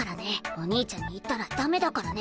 お兄ちゃんに言ったらダメだからね。